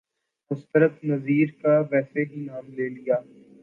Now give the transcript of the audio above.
مسرت نذیر کا ویسے ہی نام لے لیا۔